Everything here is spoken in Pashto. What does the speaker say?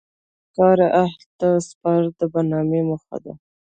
کار اهل کار ته سپارل د برنامې موخه دي.